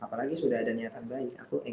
apalagi sudah ada niatan baik